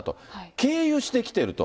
経由してきてると。